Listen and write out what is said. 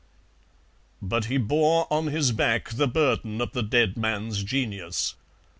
"But he bore on his back the burden of the dead man's genius.